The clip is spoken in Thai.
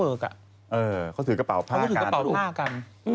เออเขาถือกระเป๋าผ้ากัน